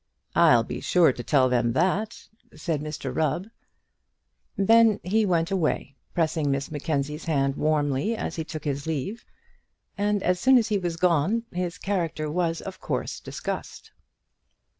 "I'll be sure to tell them that," said Mr Rubb. Then he went away, pressing Miss Mackenzie's hand warmly as he took his leave; and as soon as he was gone, his character was of course discussed.